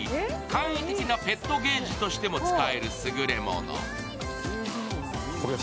簡易的なペットゲージとしても使えるすぐれもの。